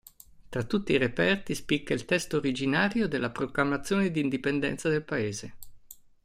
Tra tutti i reperti spicca il testo originario della proclamazione d'Indipendenza del paese.